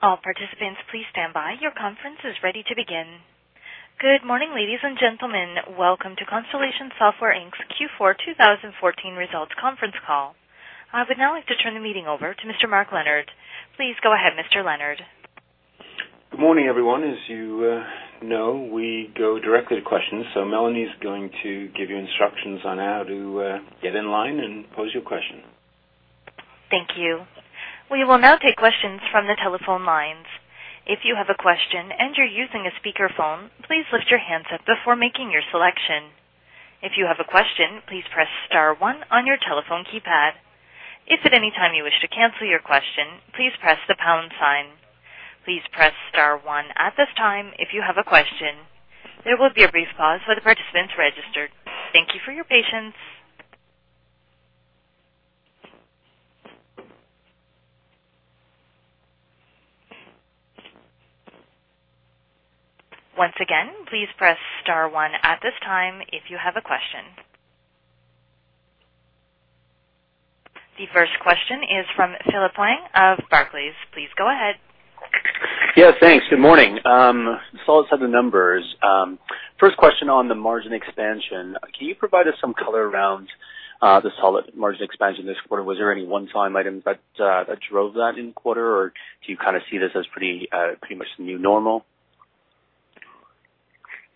Good morning, ladies and gentlemen. Welcome to Constellation Software Inc's Q4 2014 Results Conference Call. I would now like to turn the meeting over to Mr. Mark Leonard. Please go ahead, Mr. Leonard. Good morning, everyone. As you, know, we go directly to questions. Melanie is going to give you instructions on how to get in line and pose your question. Thank you. We will now take questions from the telephone lines. The first question is from Philip Huang of Barclays. Please go ahead. Yeah, thanks. Good morning. Saw some of the numbers. First question on the margin expansion. Can you provide us some color around the solid margin expansion this quarter? Was there any one-time item that drove that in quarter, or do you kind of see this as pretty much new normal?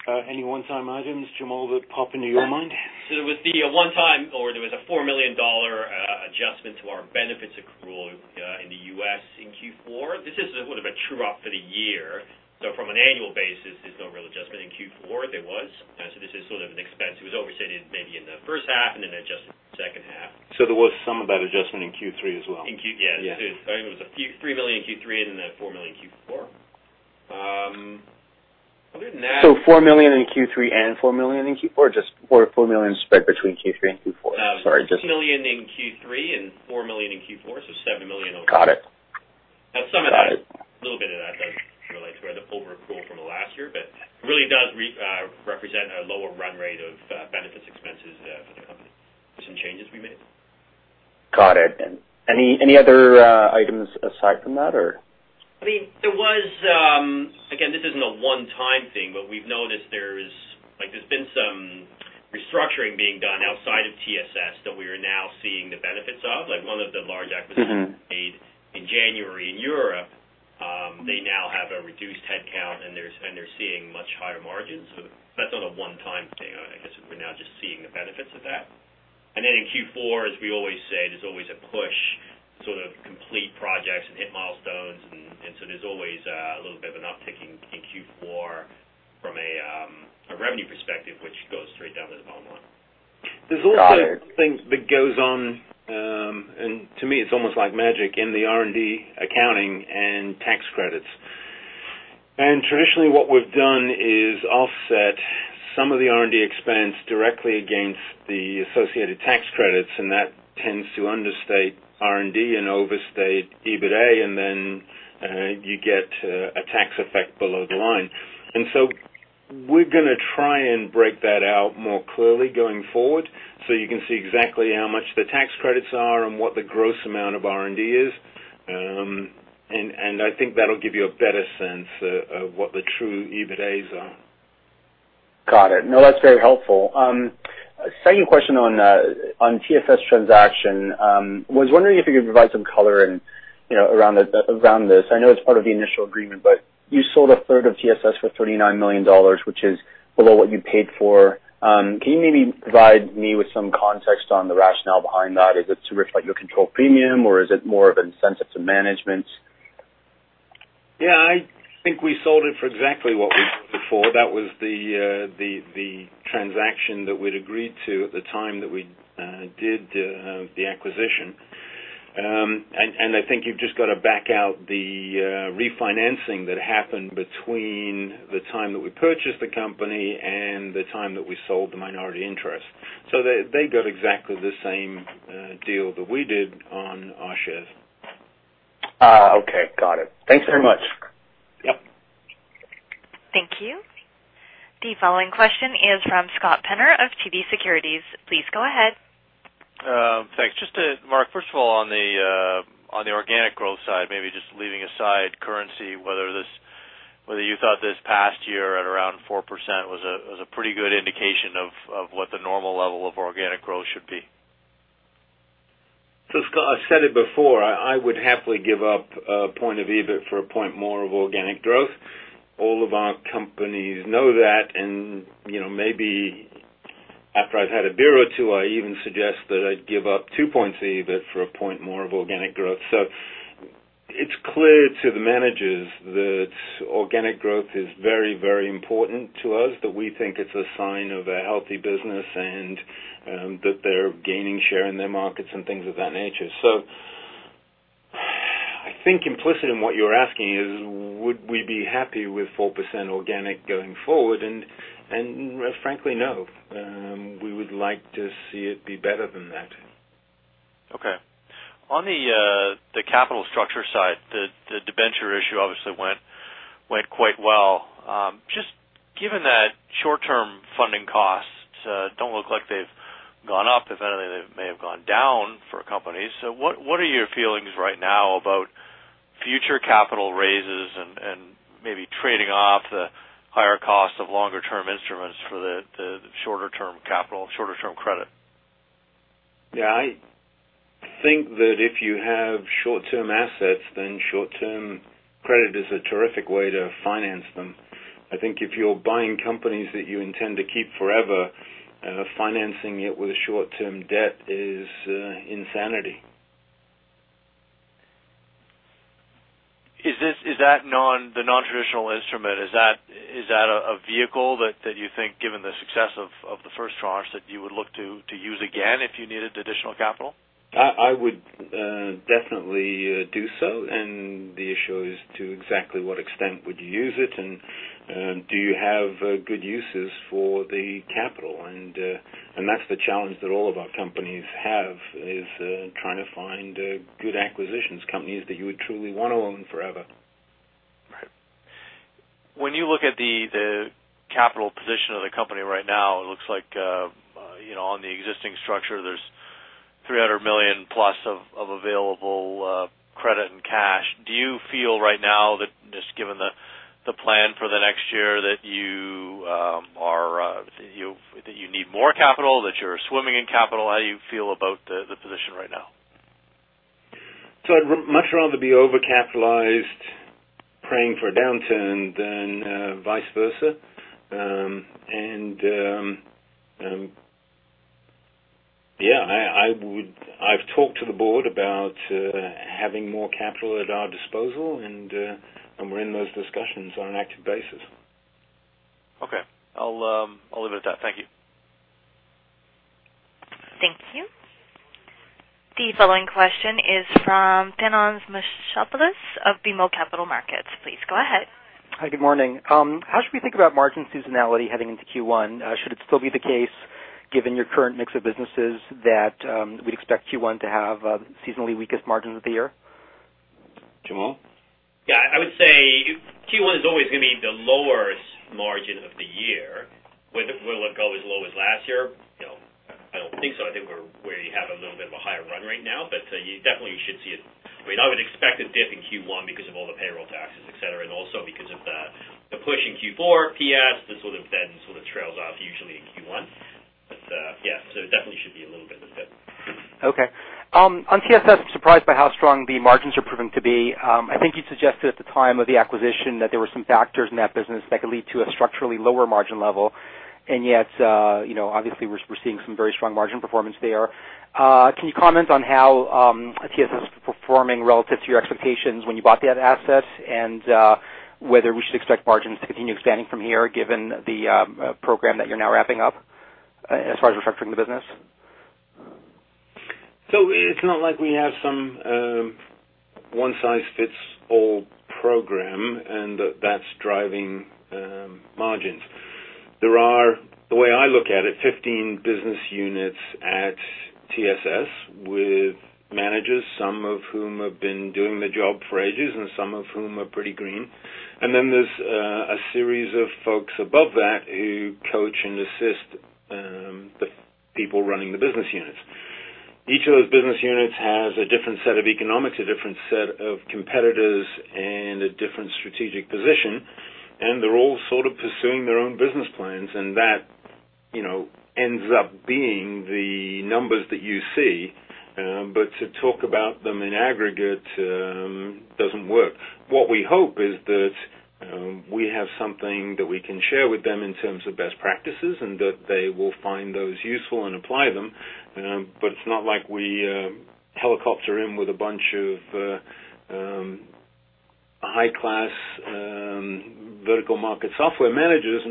Any one-time items, Jamal, that pop into your mind? With the one time or there was a 4 million dollar adjustment to our benefits accrual in the U.S. in Q4. This is sort of a true up for the year. From an annual basis, there's no real adjustment. In Q4, there was. This is sort of an expense. It was overstated maybe in the first half and then adjusted in the second half. There was some of that adjustment in Q3 as well. In Q, yeah. Yeah. It was 3 million in Q3 and then 4 million in Q4. 4 million in Q3 and 4 million in Q4, just 4 million spread between Q3 and Q4? Sorry. 6 million in Q3 and 4 million in Q4. 7 million overall. Got it. Now some of that. Got it. A little bit of that does relate to where the over accrual from the last year, but it really does represent a lower run rate of benefits expenses for the company. Some changes we made. Got it. Any other items aside from that or? I mean, there was, again, this isn't a one-time thing, but we've noticed there's, like there's been some restructuring being done outside of TSS that we are now seeing the benefits of. Like, one of the large acquisitions-made in January in Europe, they now have a reduced headcount, and they're seeing much higher margins. That's not a one-time thing. I guess we're now just seeing the benefits of that. Then in Q4, as we always say, there's always a push to complete projects and hit milestones. There's always a little bit of an uptaking in Q4 from a revenue perspective, which goes straight down to the bottom line. Got it. There's also things that goes on, to me, it's almost like magic in the R&D accounting and tax credits. Traditionally, what we've done is offset some of the R&D expense directly against the associated tax credits, and that tends to understate R&D and overstate EBITA, and then, you get a tax effect below the line. We're gonna try and break that out more clearly going forward, so you can see exactly how much the tax credits are and what the gross amount of R&D is. I think that'll give you a better sense of what the true EBITAs are. Got it. No, that's very helpful. Second question on TSS transaction. Was wondering if you could provide some color in, you know, around the, around this. I know it's part of the initial agreement, you sold a third of TSS for 39 million dollars, which is below what you paid for. Can you maybe provide me with some context on the rationale behind that? Is it to reflect your control premium, or is it more of an incentive to management? Yeah, I think we sold it for exactly what we paid for. That was the transaction that we'd agreed to at the time that we did the acquisition. I think you've just got to back out the refinancing that happened between the time that we purchased the company and the time that we sold the minority interest. They, they got exactly the same deal that we did on our shares. Okay. Got it. Thanks very much. Yep. Thank you. The following question is from Scott Penner of TD Securities. Please go ahead. Thanks. Just to Mark, first of all, on the organic growth side, maybe just leaving aside currency, whether this, whether you thought this past year at around 4% was a pretty good indication of what the normal level of organic growth should be? Scott, I said it before, I would happily give up 1 point of EBIT for 1 point more of organic growth. All of our companies know that, and, you know, maybe after I've had a beer or two, I even suggest that I'd give up 2 points of EBIT for 1 point more of organic growth. It's clear to the managers that organic growth is very, very important to us, that we think it's a sign of a healthy business and that they're gaining share in their markets and things of that nature. I think implicit in what you're asking is, would we be happy with 4% organic going forward? Frankly, no. We would like to see it be better than that. Okay. On the capital structure side, the debenture issue obviously went quite well. just given that short-term funding costs Look like they've gone up. If anything, they may have gone down for a company. What are your feelings right now about future capital raises and maybe trading off the higher cost of longer-term instruments for the shorter-term capital, shorter-term credit? I think that if you have short-term assets, then short-term credit is a terrific way to finance them. I think if you're buying companies that you intend to keep forever, financing it with short-term debt is insanity. Is that the non-traditional instrument, is that a vehicle that you think given the success of the first tranche that you would look to use again if you needed additional capital? I would definitely do so. The issue is to exactly what extent would you use it, and do you have good uses for the capital? That's the challenge that all of our companies have, is trying to find good acquisitions, companies that you would truly wanna own forever. Right. When you look at the capital position of the company right now, it looks like, you know, on the existing structure, there's 300 million+ of available credit and cash. Do you feel right now that just given the plan for the next year that you are, that you need more capital, that you're swimming in capital? How do you feel about the position right now? I'd much rather be overcapitalized praying for a downturn than vice versa. Yeah, I've talked to the board about having more capital at our disposal, and we're in those discussions on an active basis. Okay. I'll leave it at that. Thank you. Thank you. The following question is from Thanos Moschopoulos of BMO Capital Markets. Please go ahead. Hi, good morning. How should we think about margin seasonality heading into Q1? Should it still be the case, given your current mix of businesses that, we'd expect Q1 to have, seasonally weakest margins of the year? Jamal? Yeah, I would say Q1 is always gonna be the lowest margin of the year. Whether it go as low as last year, you know, I don't think so. I think we're where you have a little bit of a higher run rate now. You definitely should see it. I would expect a dip in Q1 because of all the payroll taxes, et cetera, and also because of the push in Q4, PS, that sort of then trails off usually in Q1. Yeah, so it definitely should be a little bit of a dip. Okay. On TSS, surprised by how strong the margins are proving to be. I think you suggested at the time of the acquisition that there were some factors in that business that could lead to a structurally lower margin level. Yet, you know, obviously, we're seeing some very strong margin performance there. Can you comment on how TSS is performing relative to your expectations when you bought that asset? Whether we should expect margins to continue expanding from here, given the program that you're now wrapping up, as far as restructuring the business? It's not like we have some one-size-fits-all program, and that that's driving margins. There are, the way I look at it, 15 business units at TSS with managers, some of whom have been doing the job for ages and some of whom are pretty green. There's a series of folks above that who coach and assist the people running the business units. Each of those business units has a different set of economics, a different set of competitors, and a different strategic position, and they're all sort of pursuing their own business plans, and that, you know, ends up being the numbers that you see. To talk about them in aggregate doesn't work. What we hope is that we have something that we can share with them in terms of best practices, and that they will find those useful and apply them. It's not like we helicopter in with a bunch of high-class vertical market software managers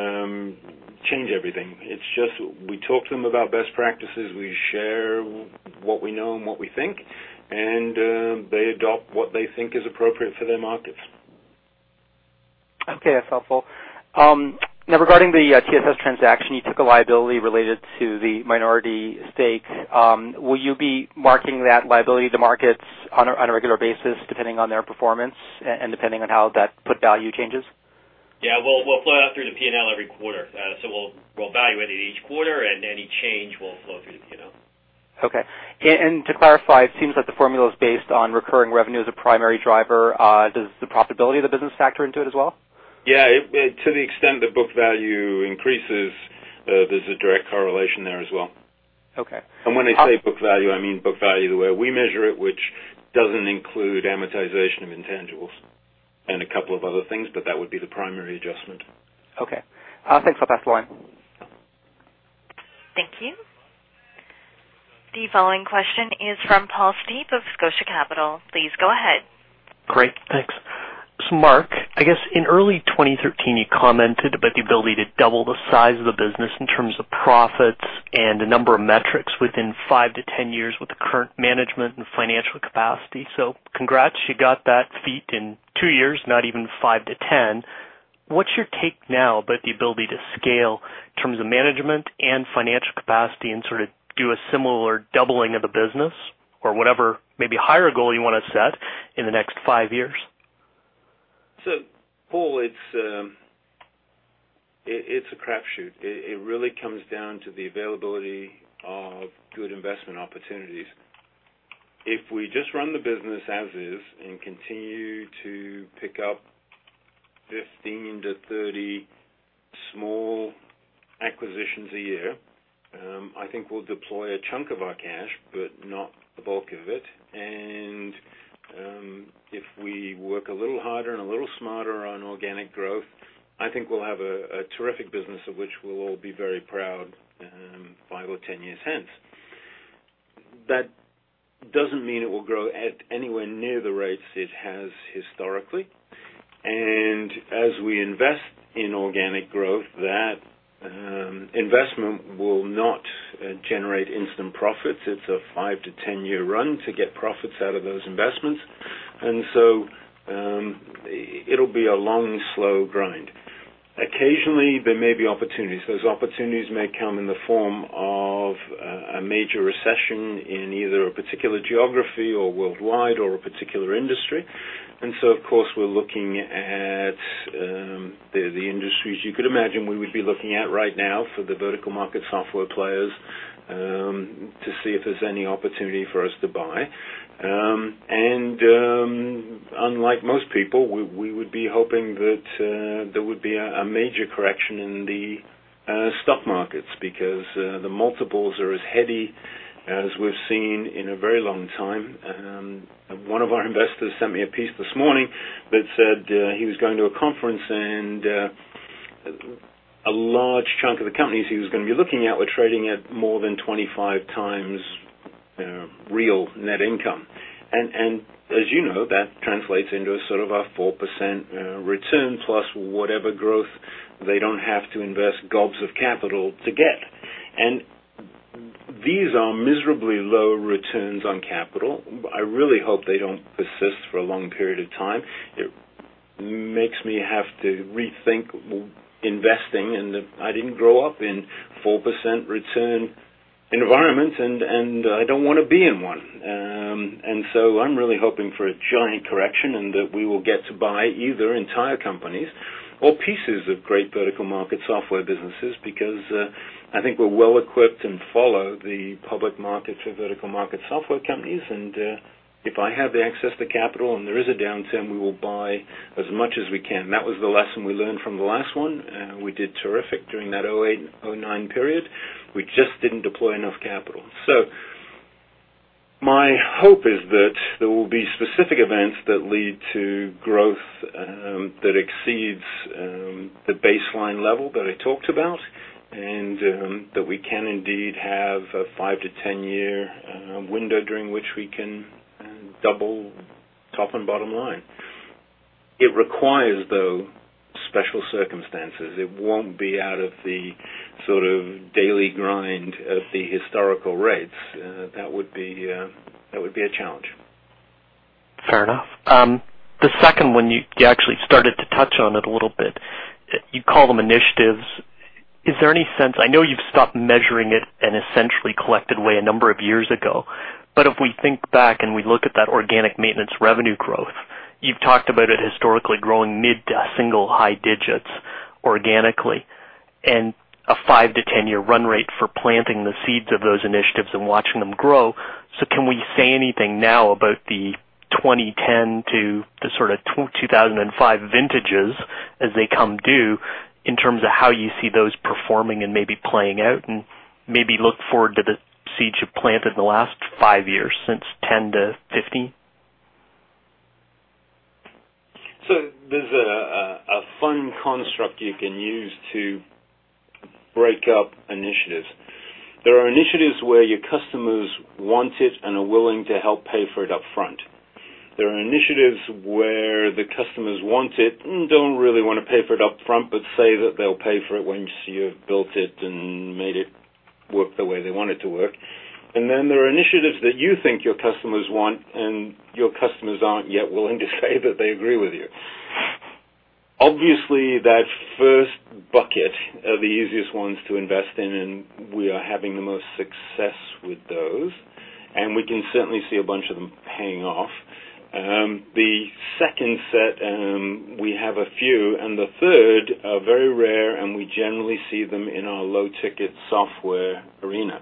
and change everything. It's just we talk to them about best practices, we share what we know and what we think, and they adopt what they think is appropriate for their markets. Okay, that's helpful. Now regarding the TSS transaction, you took a liability related to the minority stake. Will you be marking that liability to markets on a regular basis, depending on their performance and depending on how that put value changes? Yeah. We'll flow it out through the P&L every quarter. We'll evaluate it each quarter, and any change will flow through the P&L. Okay. To clarify, it seems like the formula is based on recurring revenue as a primary driver. Does the profitability of the business factor into it as well? Yeah. It to the extent the book value increases, there's a direct correlation there as well. Okay. When I say book value, I mean book value the way we measure it, which doesn't include amortization of intangibles and a couple of other things, but that would be the primary adjustment. Thanks a lot. That's all I have. Thank you. The following question is from Paul Steep of Scotia Capital. Please go ahead. Great. Thanks. Mark, I guess in early 2013, you commented about the ability to double the size of the business in terms of profits and the number of metrics within five-10 years with the current management and financial capacity. Congrats, you got that feat in two years, not even five-10. What's your take now about the ability to scale in terms of management and financial capacity and sort of do a similar doubling of the business or whatever, maybe higher goal you want to set in the next five years? Paul, it's a crapshoot. It really comes down to the availability of good investment opportunities. If we just run the business as is and continue to pick up 15 -30 small acquisitions a year, I think we'll deploy a chunk of our cash, not the bulk of it. If we work a little harder and a little smarter on organic growth, I think we'll have a terrific business of which we'll all be very proud 5 or 10 years hence. That doesn't mean it will grow at anywhere near the rates it has historically. As we invest in organic growth, that investment will not generate instant profits. It's a 5- 10-year run to get profits out of those investments. It'll be a long, slow grind. Occasionally, there may be opportunities. Those opportunities may come in the form of a major recession in either a particular geography or worldwide or a particular industry. Of course, we're looking at the industries you could imagine we would be looking at right now for the vertical market software players to see if there's any opportunity for us to buy. Unlike most people, we would be hoping that there would be a major correction in the stock markets because the multiples are as heady as we've seen in a very long time. One of our investors sent me a piece this morning that said he was going to a conference, and a large chunk of the companies he was going to be looking at were trading at more than 25x real net income. As you know, that translates into a sort of a 4% return plus whatever growth they don't have to invest gobs of capital to get. These are miserably low returns on capital. I really hope they don't persist for a long period of time. It makes me have to rethink investing, and I didn't grow up in 4% return environment, and I don't wanna be in one. I'm really hoping for a giant correction and that we will get to buy either entire companies or pieces of great vertical market software businesses because I think we're well equipped and follow the public market for vertical market software companies. If I have the access to capital and there is a downturn, we will buy as much as we can. That was the lesson we learned from the last one. We did terrific during that 2008 and 2009 period. We just didn't deploy enough capital. My hope is that there will be specific events that lead to growth that exceeds the baseline level that I talked about, and that we can indeed have a five-10-year window during which we can double top and bottom line. It requires, though, special circumstances. It won't be out of the sort of daily grind of the historical rates. That would be a challenge. Fair enough. The second one, you actually started to touch on it a little. You call them initiatives. Is there any sense I know you've stopped measuring it in a centrally collected way a number of years ago? If we think back and we look at that organic maintenance revenue growth, you've talked about it historically growing mid-to-single high digits organically and a five-10-year run rate for planting the seeds of those initiatives and watching them grow. Can we say anything now about the 2010 to the sort of 2005 vintages as they come due in terms of how you see those performing and maybe playing out and maybe look forward to the seeds you planted in the last five years since 10-15? There's a fun construct you can use to break up initiatives. There are initiatives where your customers want it and are willing to help pay for it upfront. There are initiatives where the customers want it and don't really wanna pay for it upfront, but say that they'll pay for it once you've built it and made it work the way they want it to work. There are initiatives that you think your customers want and your customers aren't yet willing to say that they agree with you. Obviously, that first bucket are the easiest ones to invest in, and we are having the most success with those, and we can certainly see a bunch of them paying off. The second set, we have a few, and the third are very rare, and we generally see them in our low-ticket software arena.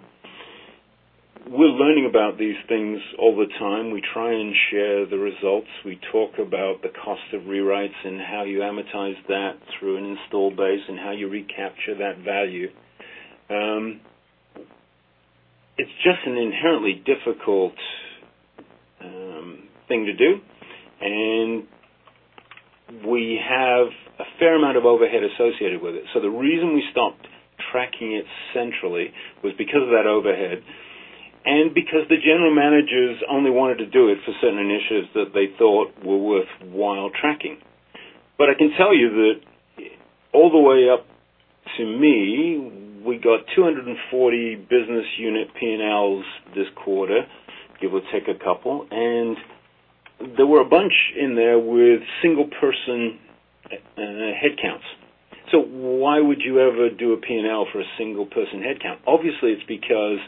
We're learning about these things over time. We try and share the results. We talk about the cost of rewrites and how you amortize that through an install base and how you recapture that value. It's just an inherently difficult thing to do, and we have a fair amount of overhead associated with it. The reason we stopped tracking it centrally was because of that overhead and because the general managers only wanted to do it for certain initiatives that they thought were worthwhile tracking. But I can tell you that all the way up to me, we got 240 business unit P&Ls this quarter. Give or take a couple. And there were a bunch in there with one person headcounts. Why would you ever do a P&L for a one person headcount? Obviously, it's because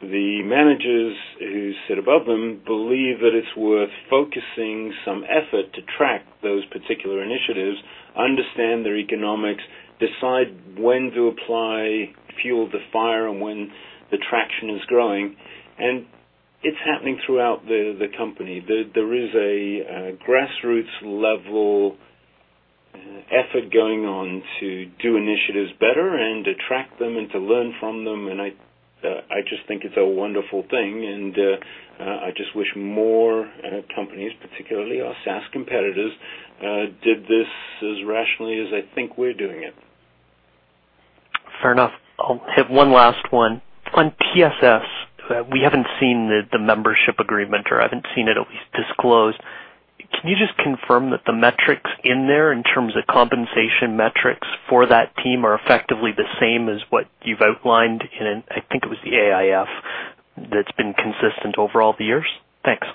the managers who sit above them believe that it's worth focusing some effort to track those particular initiatives, understand their economics, decide when to apply fuel the fire and when the traction is growing. It's happening throughout the company. There is a grassroots level effort going on to do initiatives better and to track them and to learn from them. I just think it's a wonderful thing. I just wish more companies, particularly our SaaS competitors, did this as rationally as I think we're doing it. Fair enough. I'll have one last one. On TSS, we haven't seen the membership agreement, or I haven't seen it at least disclosed. Can you just confirm that the metrics in there in terms of compensation metrics for that team are effectively the same as what you've outlined in, I think it was the AIF that's been consistent over all the years? Thanks.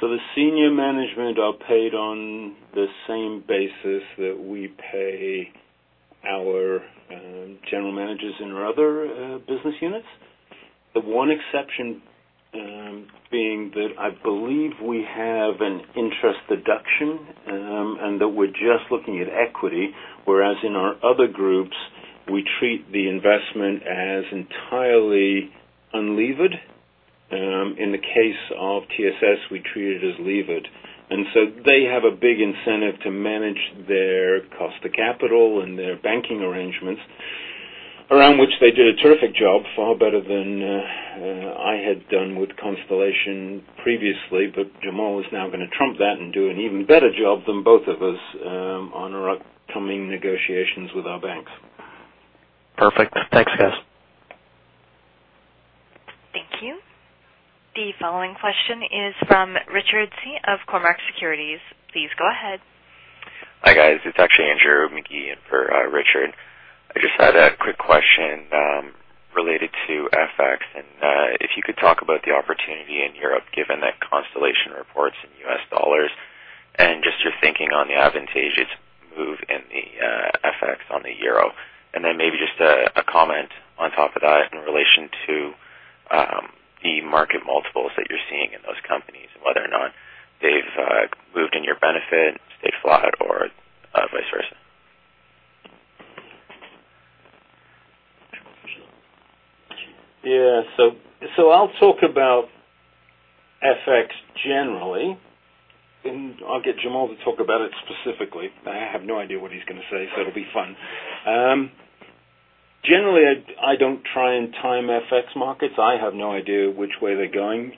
The senior management are paid on the same basis that we pay our general managers in our other business units. The one exception being that I believe we have an interest deduction, and that we're just looking at equity, whereas in our other groups, we treat the investment as entirely unlevered. In the case of TSS, we treat it as levered. They have a big incentive to manage their cost of capital and their banking arrangements around which they did a terrific job, far better than I had done with Constellation previously, but Jamal is now gonna trump that and do an even better job than both of us on our upcoming negotiations with our banks. Perfect. Thanks, guys. Thank you. The following question is from Richard Tse of Cormark Securities. Please go ahead. Hi, guys. It's actually Andrew McGee in for Richard. I just had a quick question related to FX. If you could talk about the opportunity in Europe, given that Constellation reports in US dollars and just your thinking on the advantageous move in the FX on the euro, then maybe just a comment on top of that in relation to the market multiples that you're seeing in those companies and whether or not they've moved in your benefit, stayed flat or vice versa. I'll talk about FX generally, and I'll get Jamal to talk about it specifically. I have no idea what he's going to say, it will be fun. Generally, I do not try to time FX markets. I have no idea which way they are going.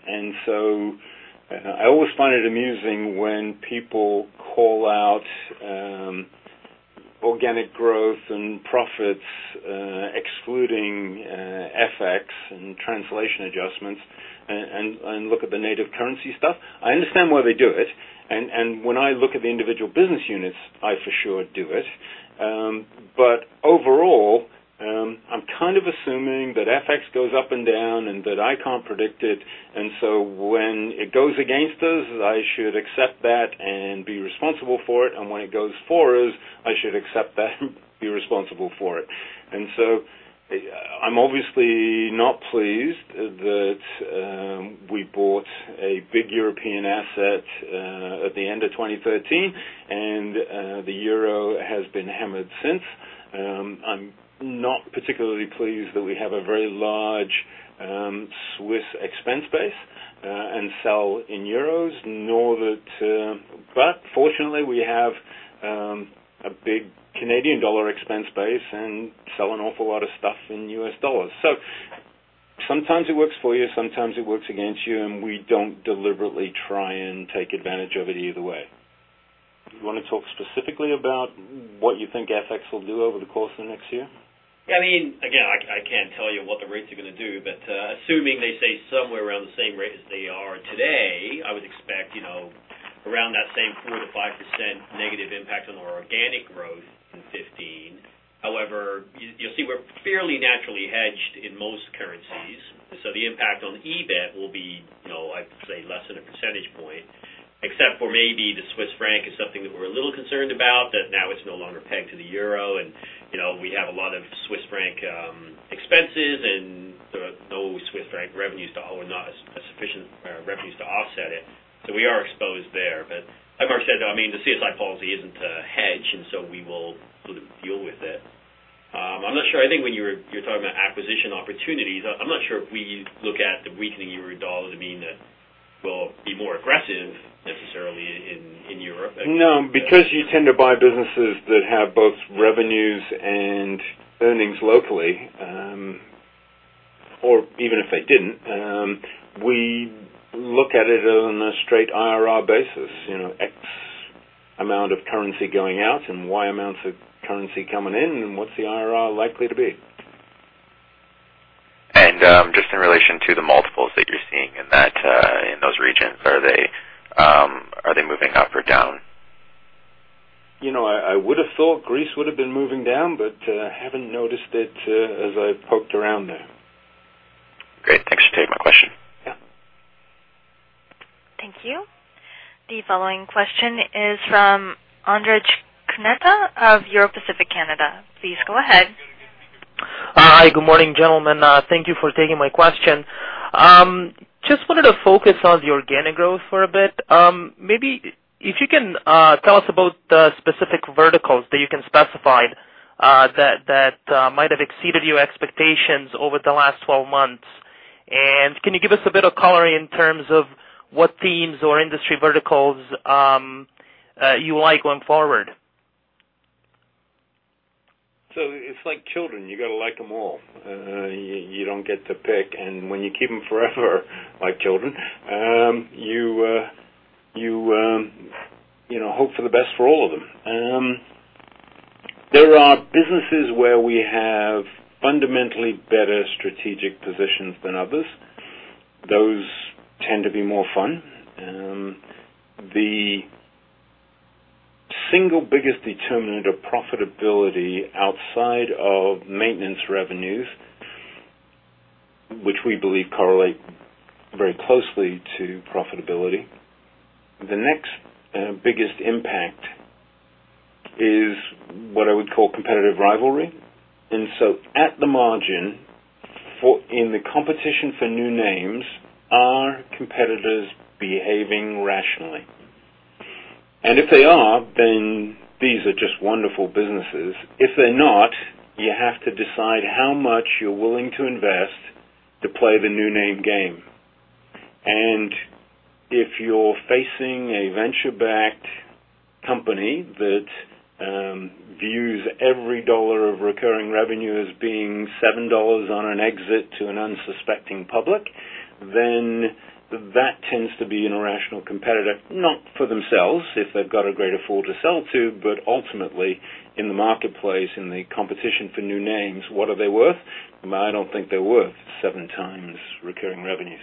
I always find it amusing when people call out organic growth and profits, excluding FX and translation adjustments and look at the native currency stuff. I understand why they do it. When I look at the individual business units, I for sure do it. Overall, I am kind of assuming that FX goes up and down and that I cannot predict it. When it goes against us, I should accept that and be responsible for it. When it goes for us, I should accept that and be responsible for it. I'm obviously not pleased that we bought a big European asset at the end of 2013, and the euro has been hammered since. I'm not particularly pleased that we have a very large Swiss expense base and sell in euros, nor that. Fortunately, we have a big Canadian dollar expense base and sell an awful lot of stuff in U.S. dollars. Sometimes it works for you, sometimes it works against you, and we don't deliberately try and take advantage of it either way. Do you wanna talk specifically about what you think FX will do over the course of the next year? I mean, again, I can't tell you what the rates are going to do, but assuming they stay somewhere around the same rate as they are today, I would expect, you know, around that same 4%-5% negative impact on our organic growth in 2015. You, you'll see we're fairly naturally hedged in most currencies. The impact on EBIT will be, you know, I'd say less than 1 percentage point, except for maybe the Swiss franc is something that we're a little concerned about, that now it's no longer pegged to the euro. You know, we have a lot of Swiss franc expenses and no Swiss franc revenues or not sufficient revenues to offset it. We are exposed there. Like Mark said, I mean, the CSI policy isn't a hedge, we will sort of deal with it. I'm not sure. I think when you're talking about acquisition opportunities, I'm not sure if we look at the weakening Euro dollar to mean that we'll be more aggressive necessarily in Europe. No, because you tend to buy businesses that have both revenues and earnings locally, or even if they didn't, we look at it on a straight IRR basis. You know, X amount of currency going out and Y amounts of currency coming in, and what's the IRR likely to be? Just in relation to the multiples that you're seeing in that, in those regions, are they moving up or down? You know, I would've thought Greece would've been moving down, but I haven't noticed it as I poked around there. The following question is from Athanasios Papadopoulos of Euro Pacific Canada. Please go ahead. Hi, good morning, gentlemen. Thank you for taking my question. Just wanted to focus on the organic growth for a bit. Maybe if you can tell us about the specific verticals that you can specify that might have exceeded your expectations over the last 12 months. Can you give us a bit of color in terms of what themes or industry verticals you like going forward? It's like children, you gotta like them all. You, you don't get to pick. When you keep them forever like children, you, you know, hope for the best for all of them. There are businesses where we have fundamentally better strategic positions than others. Those tend to be more fun. The single biggest determinant of profitability outside of maintenance revenues, which we believe correlate very closely to profitability. The next biggest impact is what I would call competitive rivalry. At the margin, in the competition for new names, are competitors behaving rationally? If they are, then these are just wonderful businesses. If they're not, you have to decide how much you're willing to invest to play the new name game. If you're facing a venture-backed company that views every CAD 1 of recurring revenue as being 7 dollars on an exit to an unsuspecting public, then that tends to be an irrational competitor, not for themselves, if they've got a greater fool to sell to, but ultimately in the marketplace, in the competition for new names, what are they worth? I don't think they're worth 7 times recurring revenues.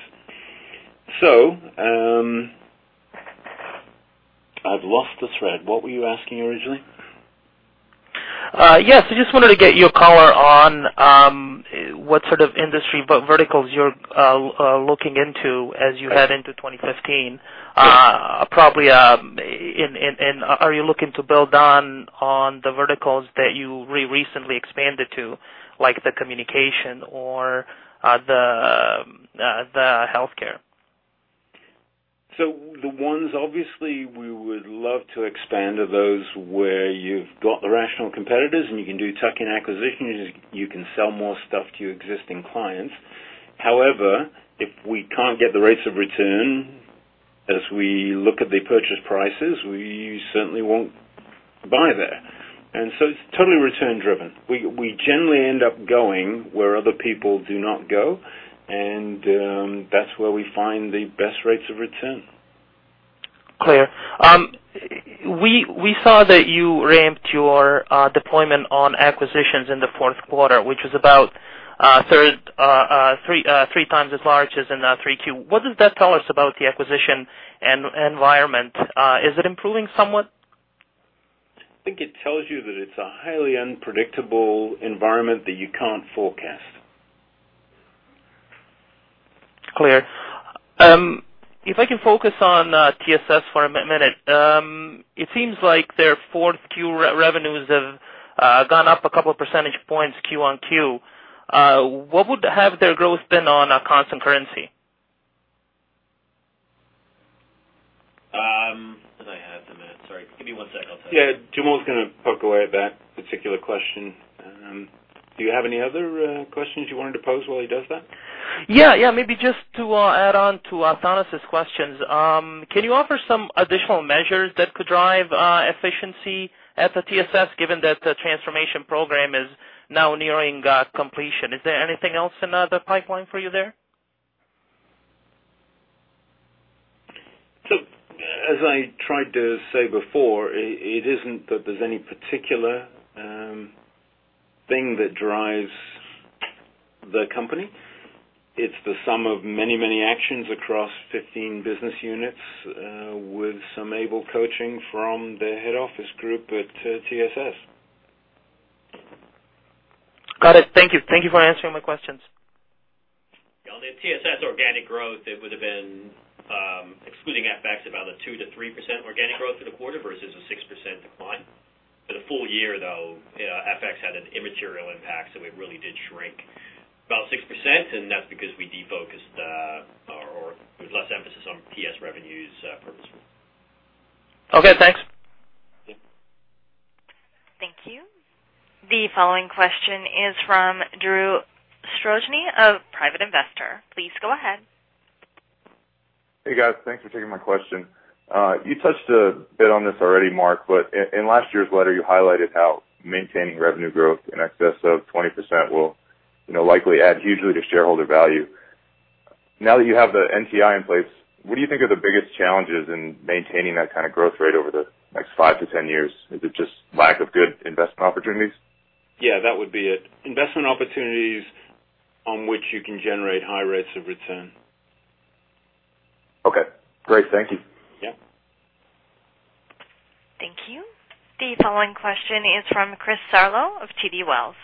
I've lost the thread. What were you asking originally? Yes. I just wanted to get your color on what sort of industry verticals you're looking into as you head into 2015. Are you looking to build on the verticals that you recently expanded to, like the communication or the healthcare? The ones obviously we would love to expand are those where you've got the rational competitors, and you can do tuck-in acquisitions. You can sell more stuff to your existing clients. However, if we can't get the rates of return as we look at the purchase prices, we certainly won't buy there. It's totally return-driven. We generally end up going where other people do not go, and that's where we find the best rates of return. Clear. We saw that you ramped your deployment on acquisitions in the fourth quarter, which was about 3x as large as in 3Q. What does that tell us about the acquisition environment? Is it improving somewhat? I think it tells you that it's a highly unpredictable environment that you can't forecast. Clear. If I can focus on TSS for a minute. It seems like their fourth Q revenues have gone up a couple percentage points Q on Q. What would have their growth been on a constant currency? I have the minute. Sorry. Give me one second. I'll tell you. Yeah. Jamal's gonna poke away at that particular question. Do you have any other questions you wanted to pose while he does that? Yeah, yeah. Maybe just to add on to Athanasios' questions. Can you offer some additional measures that could drive efficiency at the TSS, given that the transformation program is now nearing completion? Is there anything else in the pipeline for you there? As I tried to say before, it isn't that there's any particular thing that drives the company. It's the sum of many, many actions across 15 business units, with some able coaching from the head office group at TSS. Got it. Thank you. Thank you for answering my questions. On the TSS organic growth, it would have been, excluding FX, about a 2%-3% organic growth for the quarter versus a 6% decline. For the full-year, though, FX had an immaterial impact, so it really did shrink about 6%, and that's because we defocused, or with less emphasis on PS revenues purposefully. Okay, thanks. Yeah. Thank you. The following question is from Drew Strozzi of Private Investor. Please go ahead. Hey, guys. Thanks for taking my question. You touched a bit on this already, Mark, in last year's letter you highlighted how maintaining revenue growth in excess of 20% will, you know, likely add hugely to shareholder value. Now that you have the NTI in place, what do you think are the biggest challenges in maintaining that kind of growth rate over the next five-10 years? Is it just lack of good investment opportunities? Yeah, that would be it. Investment opportunities on which you can generate high rates of return. Okay, great. Thank you. Yeah. Thank you. The following question is from Chris Sarlo of TD Wealth.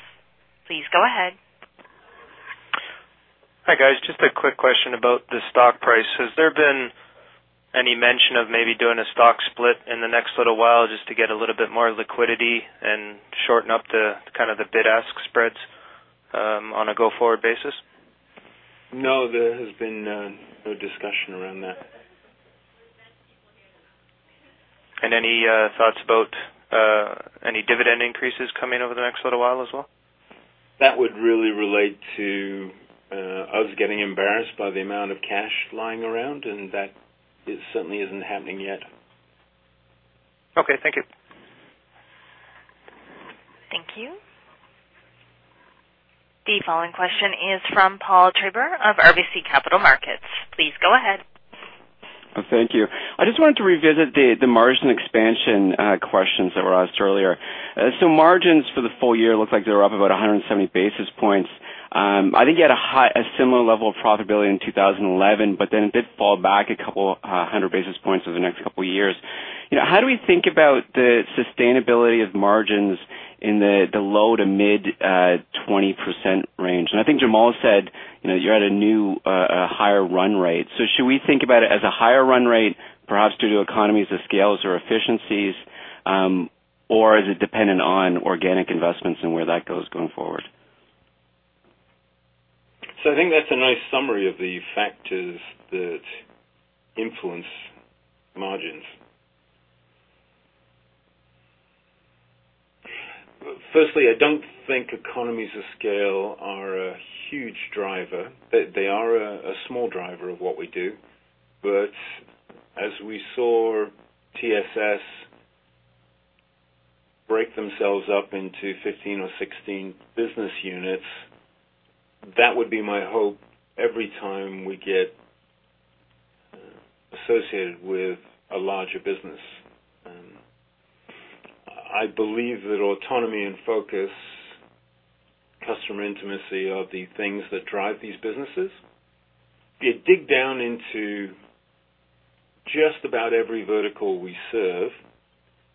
Please go ahead. Hi, guys. Just a quick question about the stock price. Has there been any mention of maybe doing a stock split in the next little while just to get a little bit more liquidity and shorten up the kind of the bid-ask spreads on a go-forward basis? No, there has been no discussion around that. Any thoughts about any dividend increases coming over the next little while as well? That would really relate to us getting embarrassed by the amount of cash lying around. That certainly isn't happening yet. Okay, thank you. Thank you. The following question is from Paul Treiber of RBC Capital Markets. Please go ahead. Thank you. I just wanted to revisit the margin expansion questions that were asked earlier. Margins for the full-year looks like they were up about 170 basis points. I think you had a similar level of profitability in 2011, it did fall back 200 basis points over the next couple years. You know, how do we think about the sustainability of margins in the low to mid 20% range? I think Jamal said, you know, you're at a new, higher run rate. Should we think about it as a higher run rate, perhaps due to economies of scale or efficiencies, is it dependent on organic investments and where that goes going forward? I think that's a nice summary of the factors that influence margins. Firstly, I don't think economies of scale are a huge driver. They are a small driver of what we do. As we saw TSS break themselves up into 15 or 16 business units, that would be my hope every time we get associated with a larger business. I believe that autonomy and focus, customer intimacy are the things that drive these businesses. If you dig down into just about every vertical we serve,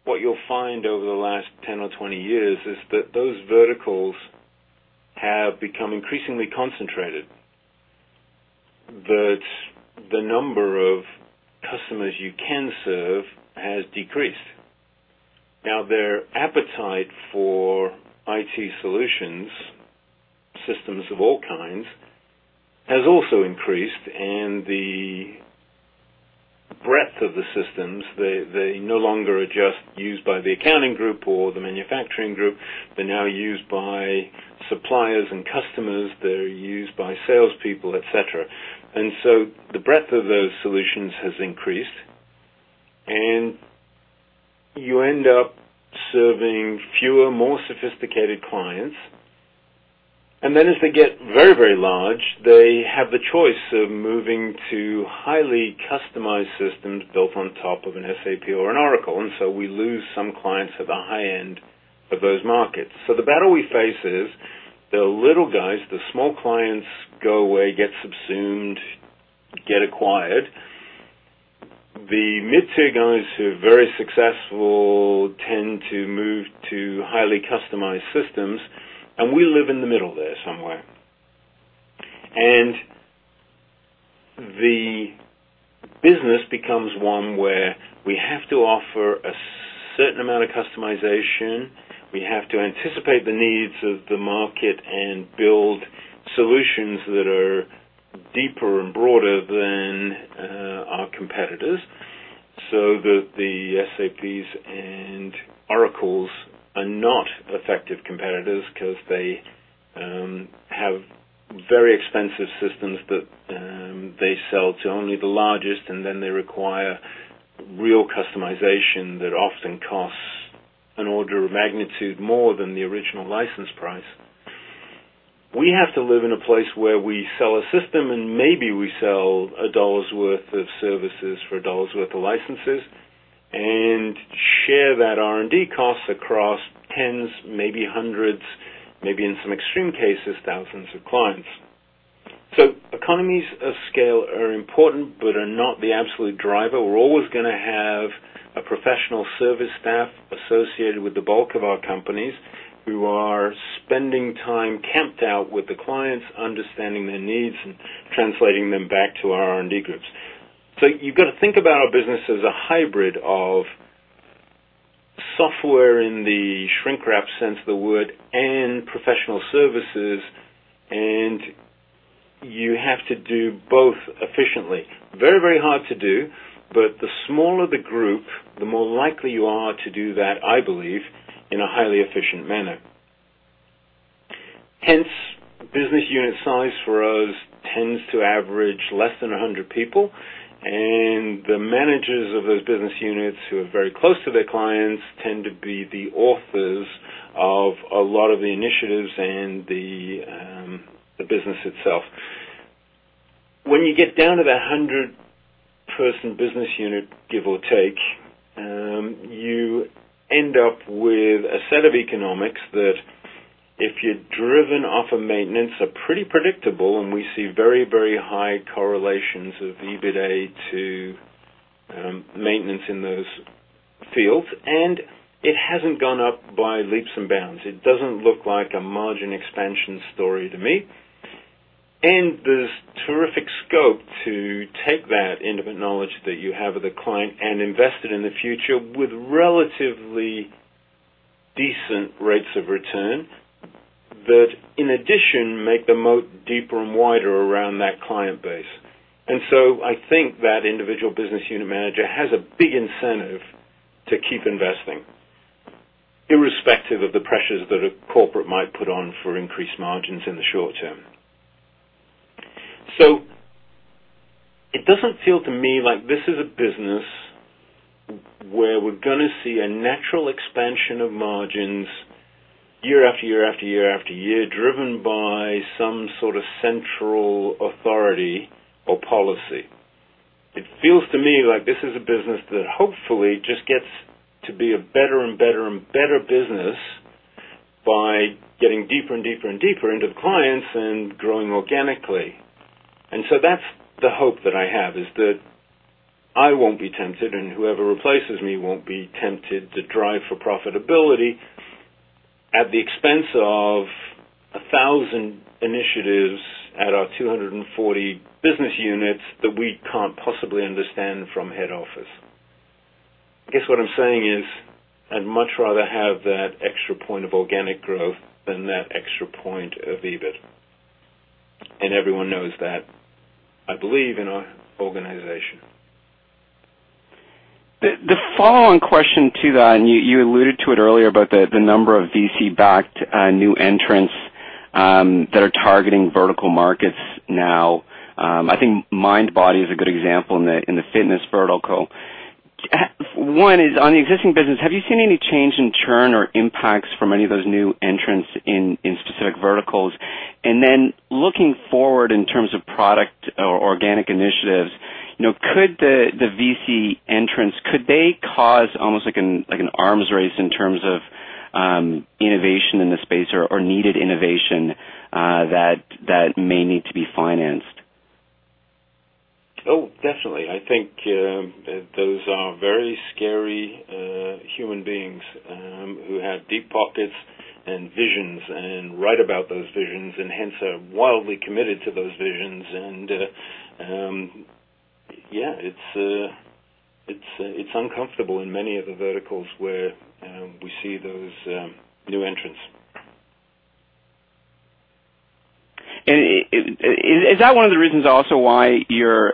what you'll find over the last 10 or 20 years is that those verticals have become increasingly concentrated, that the number of customers you can serve has decreased. Their appetite for IT solutions, systems of all kinds, has also increased. The breadth of the systems, they no longer are just used by the accounting group or the manufacturing group. They're now used by suppliers and customers. They're used by salespeople, et cetera. The breadth of those solutions has increased. You end up serving fewer, more sophisticated clients. As they get very, very large, they have the choice of moving to highly customized systems built on top of an SAP or an Oracle. We lose some clients at the high end of those markets. The battle we face is the little guys, the small clients go away, get subsumed, get acquired. The mid-tier guys who are very successful tend to move to highly customized systems. We live in the middle there somewhere. The business becomes one where we have to offer a certain amount of customization. We have to anticipate the needs of the market and build solutions that are deeper and broader than our competitors, so that the SAPs and Oracles are not effective competitors because they have very expensive systems that they sell to only the largest, and then they require real customization that often costs an order of magnitude more than the original license price. We have to live in a place where we sell a system, and maybe we sell a dollar's worth of services for a dollar's worth of licenses and share that R&D costs across tens, maybe hundreds, maybe in some extreme cases, thousands of clients. So economies of scale are important, but are not the absolute driver. We're always gonna have a professional service staff associated with the bulk of our companies who are spending time camped out with the clients, understanding their needs and translating them back to our R&D groups. You've got to think about our business as a hybrid of software in the shrink wrap sense of the word and professional services, and you have to do both efficiently. Very, very hard to do, the smaller the group, the more likely you are to do that, I believe, in a highly efficient manner. Hence, business unit size for us tends to average less than 100 people. The managers of those business units who are very close to their clients tend to be the authors of a lot of the initiatives and the business itself. When you get down to the 100-person business unit, give or take, you end up with a set of economics that if you're driven off of maintenance, are pretty predictable, and we see very, very high correlations of EBITA to maintenance in those fields. It hasn't gone up by leaps and bounds. It doesn't look like a margin expansion story to me. There's terrific scope to take that intimate knowledge that you have with a client and invest it in the future with relatively decent rates of return that, in addition, make the moat deeper and wider around that client base. I think that individual business unit manager has a big incentive to keep investing irrespective of the pressures that a corporate might put on for increased margins in the short-term. It doesn't feel to me like this is a business where we're gonna see a natural expansion of margins year after year after year after year, driven by some sort of central authority or policy. It feels to me like this is a business that hopefully just gets to be a better and better and better business by getting deeper and deeper and deeper into clients and growing organically. That's the hope that I have, is that I won't be tempted, and whoever replaces me won't be tempted to drive for profitability at the expense of 1,000 initiatives at our 240 business units that we can't possibly understand from head office. I guess what I'm saying is, I'd much rather have that extra one point of organic growth than that extra one point of EBIT. Everyone knows that, I believe in our organization. The follow on question to that, you alluded to it earlier about the number of VC-backed new entrants that are targeting vertical markets now. I think Mindbody is a good example in the fitness vertical. One is on the existing business, have you seen any change in churn or impacts from any of those new entrants in specific verticals? Looking forward in terms of product or organic initiatives, you know, could the VC entrants, could they cause almost like an arms race in terms of innovation in the space or needed innovation that may need to be financed? Oh, definitely. I think, those are very scary human beings who have deep pockets and visions and write about those visions and hence are wildly committed to those visions and, yeah, it's, it's uncomfortable in many of the verticals where we see those new entrants. Is that one of the reasons also why you're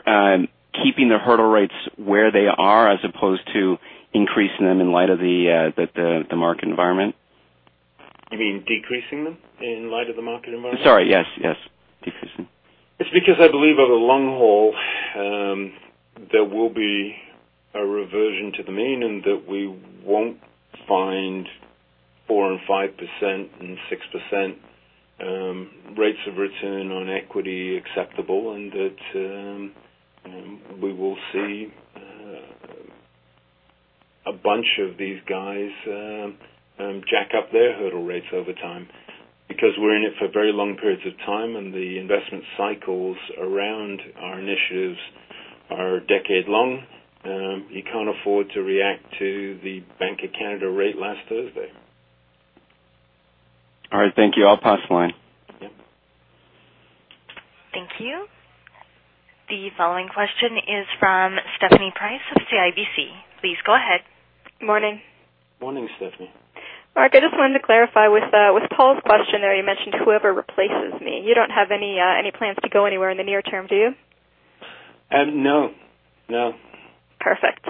keeping the hurdle rates where they are as opposed to increasing them in light of the market environment? You mean decreasing them in light of the market environment? Sorry, yes. Decreasing. It's because I believe over the long haul, there will be a reversion to the mean, and that we won't find 4% and 5% and 6% rates of return on equity acceptable, and that we will see a bunch of these guys jack up their hurdle rates over time. We're in it for very long periods of time, and the investment cycles around our initiatives are decade long. You can't afford to react to the Bank of Canada rate last Thursday. All right. Thank you. I'll pass the line. Yeah. Thank you. The following question is from Stephanie Price of CIBC. Please go ahead. Morning. Morning, Stephanie. Mark, I just wanted to clarify with Paul's question there, you mentioned whoever replaces me. You don't have any plans to go anywhere in the near term, do you? No. No. Perfect.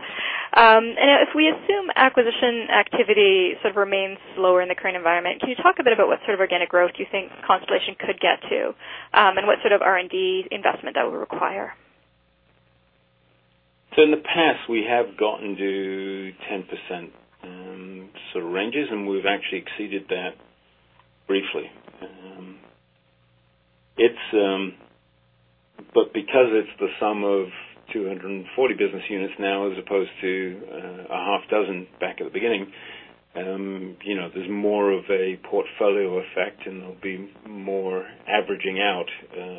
If we assume acquisition activity sort of remains lower in the current environment, can you talk a bit about what sort of organic growth you think Constellation could get to? What sort of R&D investment that will require? In the past, we have gotten to 10% sort of ranges, and we've actually exceeded that briefly. Because it's the sum of 240 business units now as opposed to a half dozen back at the beginning, you know, there's more of a portfolio effect, and there'll be more averaging out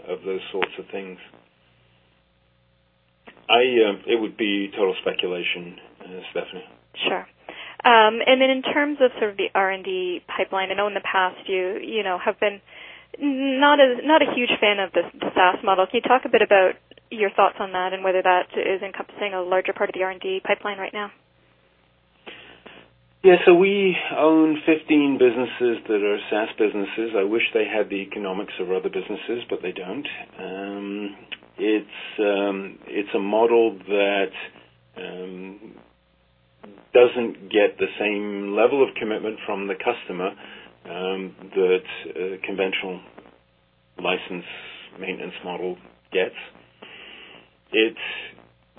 of those sorts of things. I, it would be total speculation, Stephanie. Sure. Then in terms of sort of the R&D pipeline, I know in the past you know, have been not a, not a huge fan of the SaaS model. Can you talk a bit about your thoughts on that and whether that is encompassing a larger part of the R&D pipeline right now? So we own 15 businesses that are SaaS businesses. I wish they had the economics of other businesses, but they don't. It's a model that doesn't get the same level of commitment from the customer that a conventional license maintenance model gets. It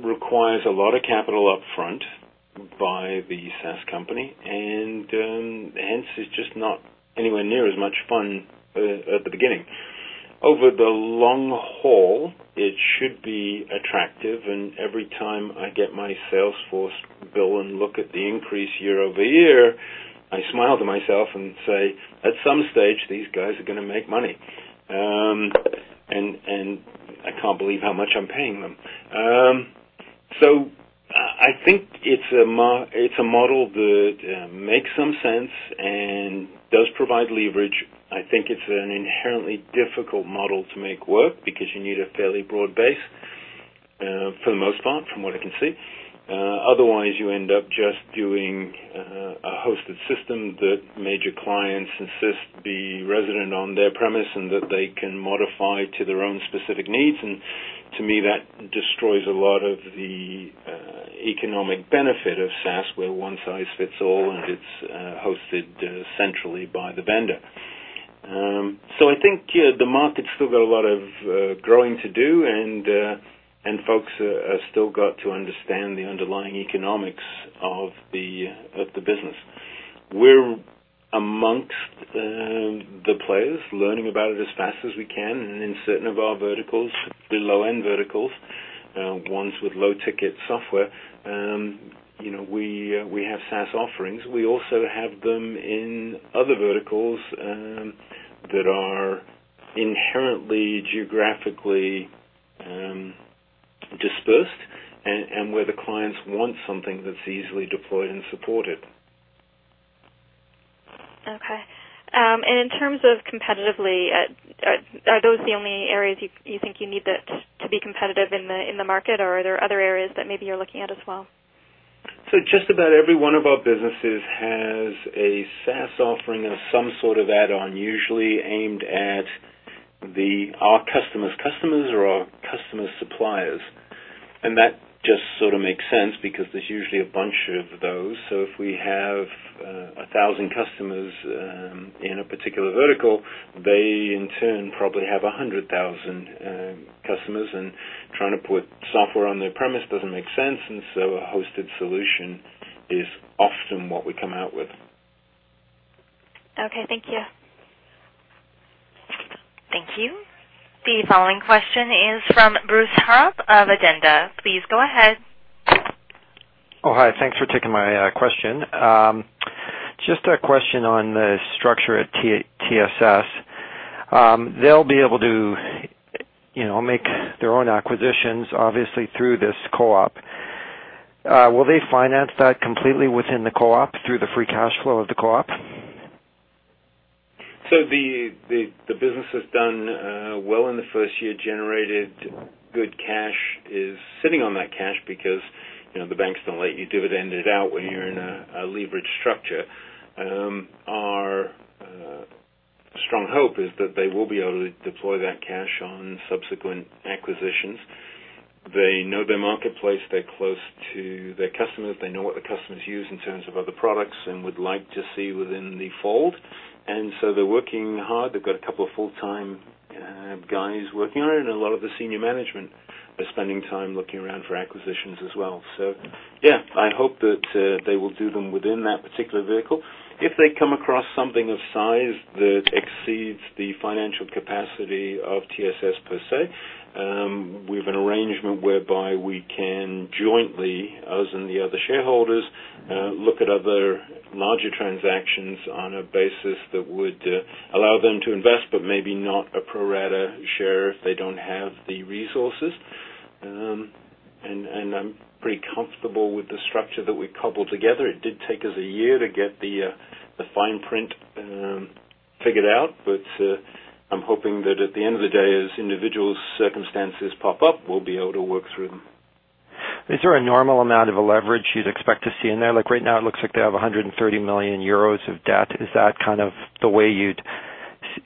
requires a lot of capital upfront by the SaaS company, and hence it's just not anywhere near as much fun at the beginning. Over the long haul, it should be attractive, and every time I get my Salesforce bill and look at the increase year-over-year, I smile to myself and say, "At some stage, these guys are gonna make money." I can't believe how much I'm paying them. I think it's a model that makes some sense and does provide leverage. I think it's an inherently difficult model to make work because you need a fairly broad base for the most part, from what I can see. Otherwise, you end up just doing a hosted system that major clients insist be resident on their premise and that they can modify to their own specific needs. To me, that destroys a lot of the economic benefit of SaaS, where one size fits all, and it's hosted centrally by the vendor. I think the market's still got a lot of growing to do, and folks have still got to understand the underlying economics of the business. We're amongst the players learning about it as fast as we can. In certain of our verticals, the low-end verticals, ones with low-ticket software, you know, we have SaaS offerings. We also have them in other verticals that are inherently geographically dispersed and where the clients want something that's easily deployed and supported. Okay. In terms of competitively, are those the only areas you think you need that to be competitive in the market, or are there other areas that maybe you're looking at as well? Just about every one of our businesses has a SaaS offering of some sort of add-on, usually aimed at our customer's customers or our customer's suppliers. That just sorta makes sense because there's usually a bunch of those. If we have 1,000 customers in a particular vertical, they, in turn, probably have 100,000 customers. Trying to put software on their premise doesn't make sense. A hosted solution is often what we come out with. Okay. Thank you. Thank you. The following question is from Bruce Harrop of Addenda. Please go ahead. Oh, hi. Thanks for taking my question. Just a question on the structure at TSS. They'll be able to, you know, make their own acquisitions, obviously, through this OpCo. Will they finance that completely within the OpCo through the free cash flow of the OpCo? The business has done well in the first year, generated good cash, is sitting on that cash because, you know, the banks don't let you dividend it out when you're in a leverage structure. Our strong hope is that they will be able to deploy that cash on subsequent acquisitions. They know their marketplace. They're close to their customers. They know what the customers use in terms of other products and would like to see within the fold. They're working hard. They've got a couple of full-time guys working on it. A lot of the senior management are spending time looking around for acquisitions as well. Yeah, I hope that they will do them within that particular vehicle. If they come across something of size that exceeds the financial capacity of TSS per se, we've an arrangement whereby we can jointly, us and the other shareholders, look at other larger transactions on a basis that would allow them to invest, but maybe not a pro rata share if they don't have the resources. I'm pretty comfortable with the structure that we cobbled together. It did take us a year to get the fine print figured out. I'm hoping that at the end of the day, as individuals' circumstances pop up, we'll be able to work through them. Is there a normal amount of leverage you'd expect to see in there? Like, right now, it looks like they have 130 million euros of debt. Is that kind of the way?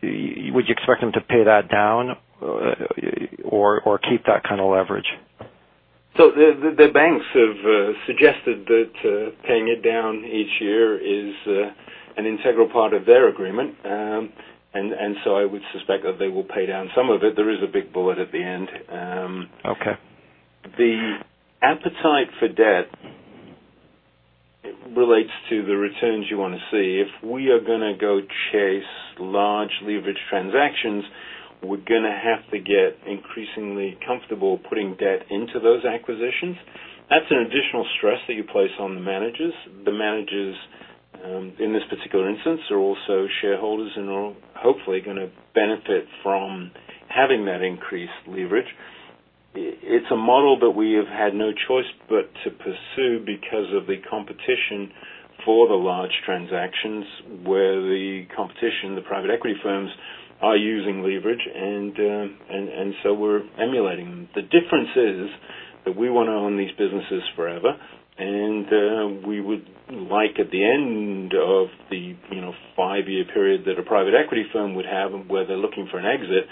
Would you expect them to pay that down or keep that kind of leverage? The banks have suggested that paying it down each year is an integral part of their agreement. I would suspect that they will pay down some of it. There is a big bullet at the end. Okay. The appetite for debt relates to the returns you wanna see. If we are gonna go chase large leverage transactions, we're gonna have to get increasingly comfortable putting debt into those acquisitions. That's an additional stress that you place on the managers. The managers, in this particular instance, are also shareholders and are hopefully gonna benefit from having that increased leverage. It's a model that we have had no choice but to pursue because of the competition for the large transactions, where the competition, the private equity firms, are using leverage and so we're emulating them. The difference is that we wanna own these businesses forever. We would like, at the end of the, you know, five-year period that a private equity firm would have and where they're looking for an exit,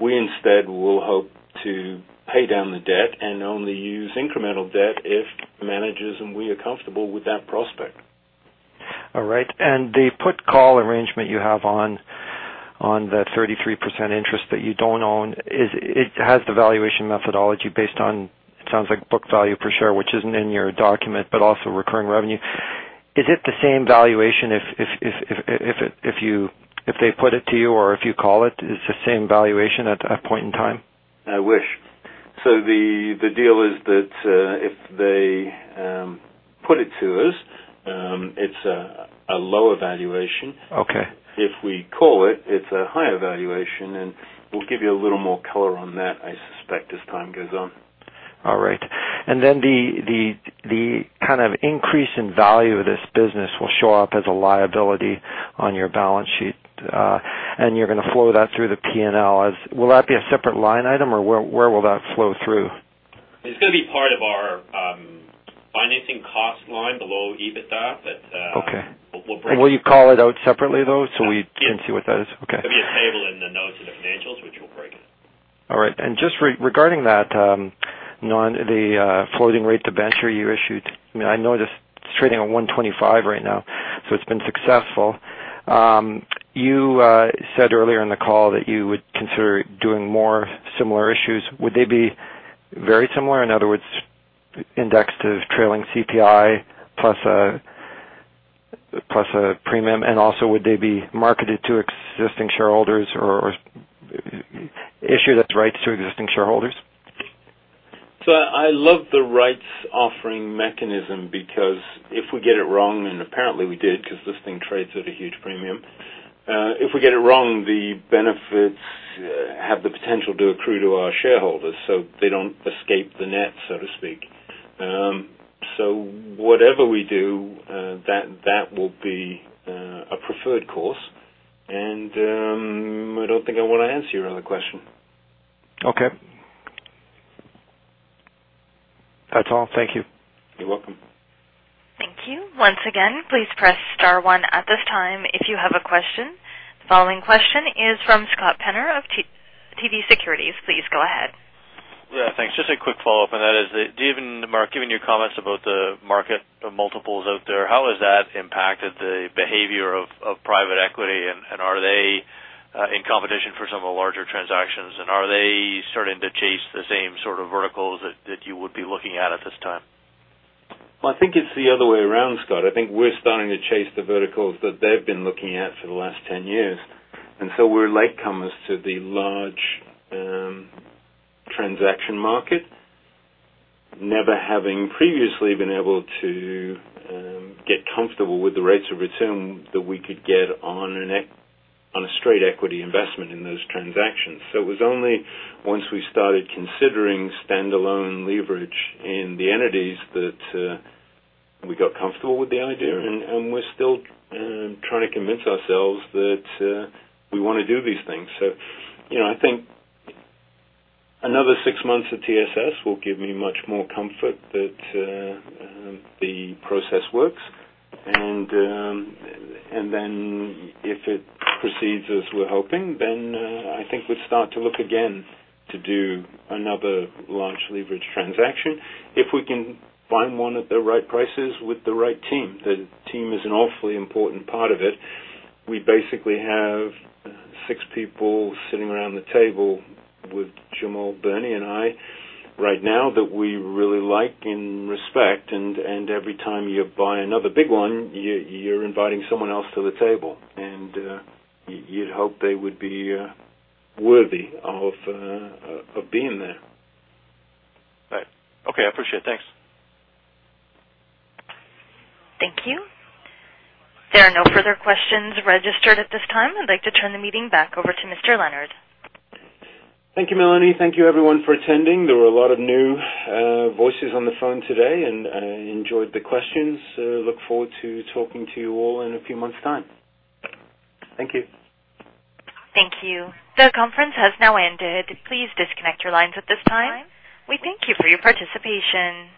we instead will hope to pay down the debt and only use incremental debt if managers and we are comfortable with that prospect. All right. The put call arrangement you have on that 33% interest that you don't own, has the valuation methodology based on, it sounds like book value per share, which isn't in your document, but also recurring revenue. Is it the same valuation if they put it to you or if you call it, is the same valuation at that point in time? I wish. The deal is that if they put it to us, it's a lower valuation. Okay. If we call it's a higher valuation, and we'll give you a little more color on that, I suspect, as time goes on. All right. The kind of increase in value of this business will show up as a liability on your balance sheet. You're gonna flow that through the P&L. Will that be a separate line item or where will that flow through? It's gonna be part of our financing cost line below EBITDA. Okay. We'll, we'll break- Will you call it out separately, though? Yeah. can see what that is? Okay. There'll be a table in the notes and the financials which we'll break it. All right. Just regarding that, you know, on the floating rate debenture you issued, I mean, I know it is trading on 125 right now, so it's been successful. You said earlier in the call that you would consider doing more similar issues. Would they be very similar, in other words, indexed to trailing CPI plus a premium? Also, would they be marketed to existing shareholders or issued as rights to existing shareholders? I love the rights offering mechanism because if we get it wrong, and apparently we did, because this thing trades at a huge premium. If we get it wrong, the benefits have the potential to accrue to our shareholders, so they don't escape the net, so to speak. Whatever we do, that will be a preferred course. I don't think I wanna answer your other question. Okay. That's all. Thank you. You're welcome. Thank you. Once again, please press star one at this time if you have a question. The following question is from Scott Penner of TD Securities. Please go ahead. Yeah, thanks. Just a quick follow-up, and that is that David and Mark, given your comments about the market multiples out there, how has that impacted the behavior of private equity? Are they in competition for some of the larger transactions? Are they starting to chase the same sort of verticals that you would be looking at at this time? Well, I think it's the other way around, Scott. I think we're starting to chase the verticals that they've been looking at for the last 10 years. We're latecomers to the large transaction market, never having previously been able to get comfortable with the rates of return that we could get on a straight equity investment in those transactions. It was only once we started considering standalone leverage in the entities that we got comfortable with the idea. We're still trying to convince ourselves that we wanna do these things. You know, I think another six months of TSS will give me much more comfort that the process works. Then if it proceeds as we're hoping, I think we'd start to look again to do another large leverage transaction if we can find one at the right prices with the right team. The team is an awfully important part of it. We basically have six people sitting around the table with Jamal, Bernie and I right now that we really like and respect. Every time you buy another big one, you're inviting someone else to the table. You'd hope they would be worthy of being there. Right. Okay, I appreciate it. Thanks. Thank you. There are no further questions registered at this time. I'd like to turn the meeting back over to Mr. Leonard. Thank you, Melanie. Thank you, everyone for attending. There were a lot of new voices on the phone today, and I enjoyed the questions. I look forward to talking to you all in a few months' time. Thank you. Thank you. The conference has now ended. Please disconnect your lines at this time. We thank you for your participation.